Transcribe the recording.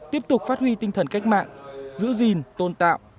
tiếp tục phát huy tinh thần cách mạng giữ gìn tôn tạo